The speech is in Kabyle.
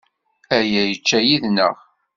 Aya yečča yid-neɣ.